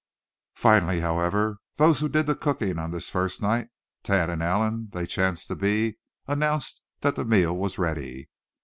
Finally, however, those who did the cooking on this first night, Thad and Allan they chanced to be, announced that the meal was ready.